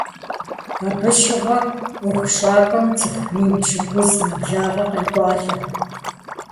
Абы щыгъуэ ӏуэхущӏапӏэм цӏыху мин пщыкӏузым нэблагъэ къекӏуалӏэрт.